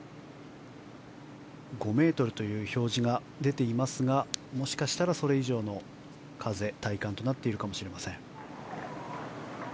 ５メートルという表示が出ていますがもしかしたらそれ以上の風体感となっているかもしれません。